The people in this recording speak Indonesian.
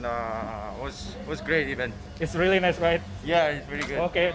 takaki nakagami yang kemarin diundang oleh presiden joko widodo ke istana jokowi